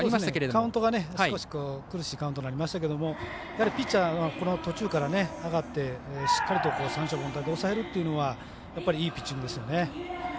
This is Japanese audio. カウントが少し苦しいカウントになりましたけどピッチャー、途中から上がってしっかりと三者凡退で抑えるというのはやっぱりいいピッチングですよね。